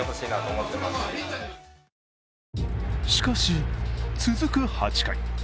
しかし、続く８回。